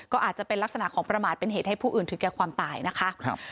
ก็อาจจะเป็นลักษณะของประมาทเป็นเหตุให้ผู้อื่นถึงแก่ความตายนะคะ